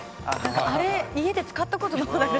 あれ家で使った事なくないですか？